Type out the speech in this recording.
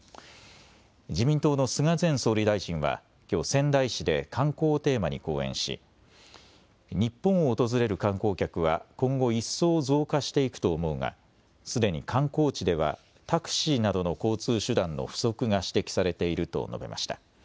自民党の菅前総理大臣はきょう、仙台市で観光をテーマに講演し日本を訪れる観光客は今後一層増加していくと思うがすでに観光地ではタクシーなどの交通手段の不足が指摘されていると述べました。